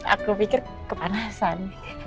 aku pikir kepanasan